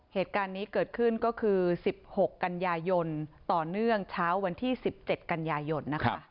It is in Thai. เหตุการณ์นี้เกิดขึ้นก็คือ๑๖กันยายนต่อเนื่องเช้าวันที่๑๗กันยายนนะคะ